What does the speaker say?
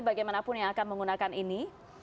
bagaimanapun yang akan menggunakan ini